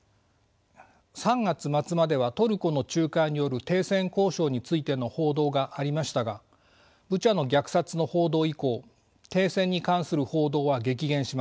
３月末まではトルコの仲介による停戦交渉についての報道がありましたがブチャの虐殺の報道以降停戦に関する報道は激減しました。